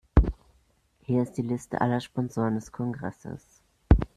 Hier ist die Liste aller Sponsoren des Kongresses.